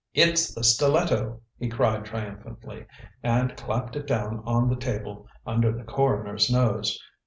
"It's the stiletto," he cried triumphantly, and clapped it down on the table under the coroner's nose.